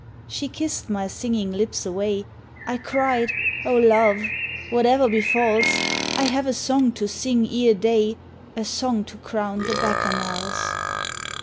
She kissed my singing lips away, I cried, " Oh love ! whate'er befalls, I have a song to sing ere day, A song to crown the Bacchanals."